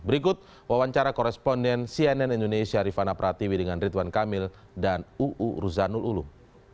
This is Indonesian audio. berikut wawancara koresponden cnn indonesia rifana pratiwi dengan ridwan kamil dan uu ruzanul ulum